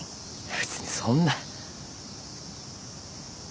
別にそんな。